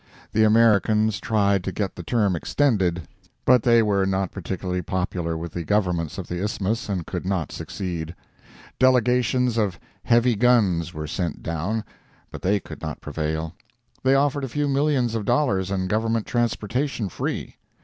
The Americans tried to get the term extended. But they were not particularly popular with the Governments of the Isthmus, and could not succeed. Delegations of heavy guns were sent down, but they could not prevail. They offered a few millions of dollars and Government transportation free.